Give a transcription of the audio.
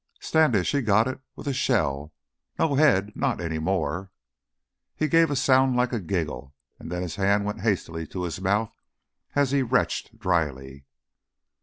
Standish he got it with a shell no head ... not any more " He gave a sound like a giggle, and then his hand went hastily to his mouth as he retched dryly.